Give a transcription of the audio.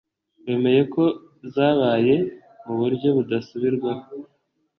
wemeye ko zabaye mu buryo budasubirwaho